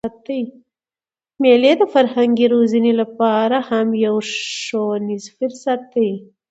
مېلې د فرهنګي روزني له پاره هم یو ښوونیز فرصت دئ.